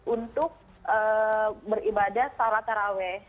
untuk beribadah searah terawih